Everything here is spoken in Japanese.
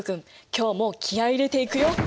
今日も気合い入れていくよ。